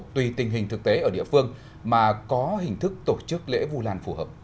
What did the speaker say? tùy tình hình thực tế ở địa phương mà có hình thức tổ chức lễ vu lan phù hợp